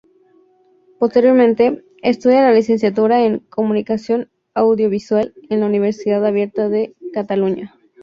Posteriormente, estudia la licenciatura en Comunicación Audiovisual en la Universidad Abierta de Cataluña.